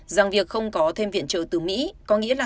rằng việc không có thêm viện trợ từ mỹ có nghĩa là